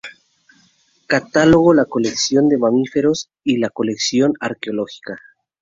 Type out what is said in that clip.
Catalogó la colección de mamíferos y la colección arqueológica.